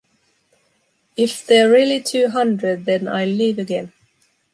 If they’re really two hundred, then I’ll leave again.